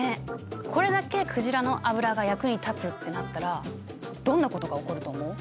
これだけ鯨の油が役に立つってなったらどんなことが起こると思う？